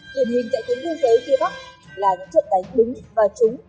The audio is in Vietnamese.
điểm hình cạnh tính đương giới kia bắc là những trận đánh đúng và trúng